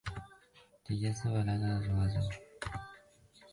顶尖四分卫的到来让猎鹰队再次强势回归。